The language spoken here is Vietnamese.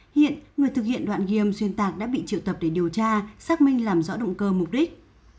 hiện người thực hiện đoạn game xuyên tạc đã bị triệu tập để điều tra xác minh làm rõ động cơ mục đích